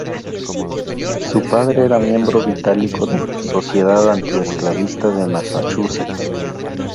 Su padre era miembro vitalicio de la Sociedad Antiesclavista de Massachusetts.